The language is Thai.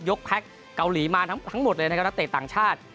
แก๊กเกาหลีมาทั้งหมดเลยนะครับนักเตะต่างชาติ